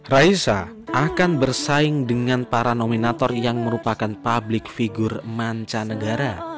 raisa akan bersaing dengan para nominator yang merupakan public figur mancanegara